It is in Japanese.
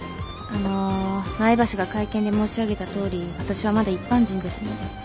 あの前橋が会見で申し上げたとおり私はまだ一般人ですので。